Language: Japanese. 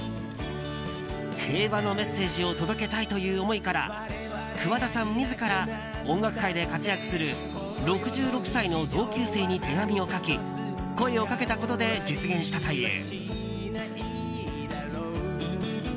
平和のメッセージを届けたいという思いから桑田さん自ら、音楽界で活躍する６６歳の同級生に手紙を書き声をかけたことで実現したという。